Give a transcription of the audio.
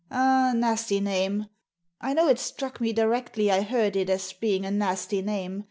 " A nasty name. I know it struck me directly I heard it as being a nasty name.